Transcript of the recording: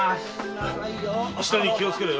下に気をつけろよ。